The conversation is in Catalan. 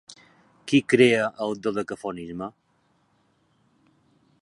Qui crea el dodecafonisme?